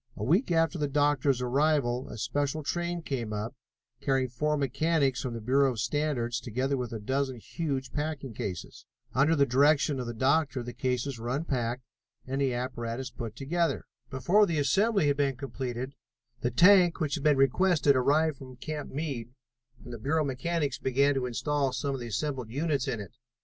A week after the doctor's arrival, a special train came up, carrying four mechanics from the Bureau of Standards, together with a dozen huge packing cases. Under the direction of the doctor the cases were unpacked and the apparatus put together. Before the assembly had been completed the tank which had been requested arrived from Camp Meade, and the Bureau mechanics began to install some of the assembled units in it.